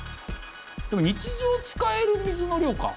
でも日常使える水の量か。